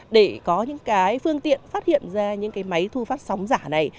để có những cái phương tiện phát hiện ra những cái máy thu phát sóng giả này